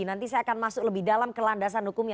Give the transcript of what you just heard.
nanti saya akan masuk lebih dalam ke landasan hukumnya